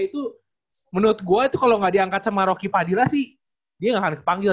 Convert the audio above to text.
itu menurut gue itu kalau nggak diangkat sama rocky padila sih dia nggak akan kepanggil